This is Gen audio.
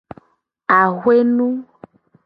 Axwe nu.